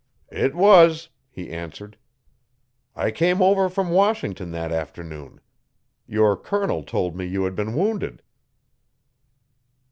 'It was,' he answered. 'I came over from Washington that afternoon. Your colonel told me you had been wounded.